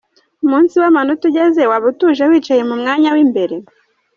Umunsi w’amanota ugeze waba utuje wicaye mu myanya w’imbere ?